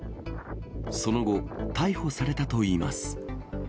その後、逮捕されたといいます。